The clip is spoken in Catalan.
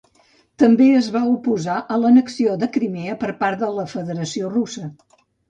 També es va oposar a l'annexió de Crimea per part de la Federació Russa.